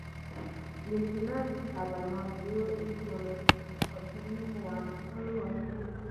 The genus "Chabanaudia" is monotypic, containing only one species.